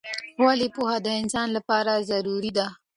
ولې پوهه د انسان لپاره ضروری ده؟